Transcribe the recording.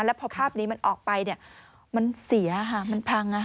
แล้วพอภาพนี้มันออกไปมันเสียค่ะมันพัง